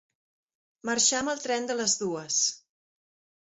Marxar amb el tren de les dues.